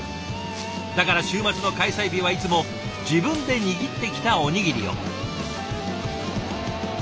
だから週末の開催日はいつも自分で握ってきたおにぎりを。